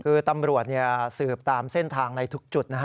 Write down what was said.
คือตำรวจสืบตามเส้นทางในทุกจุดนะฮะ